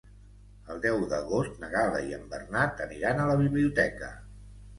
El deu d'agost na Gal·la i en Bernat aniran a la biblioteca.